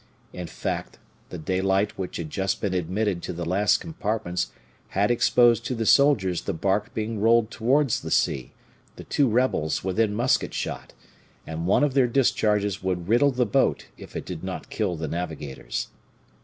In fact, the daylight which had just been admitted to the last compartments had exposed to the soldiers the bark being rolled towards the sea, the two rebels within musket shot; and one of their discharges would riddle the boat if it did not kill the navigators.